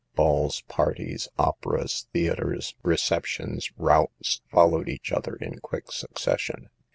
Balls, parties, operas, theaters, receptions, routs, followed each other in quick succession.